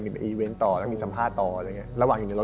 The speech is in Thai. เป็นอย่างนี้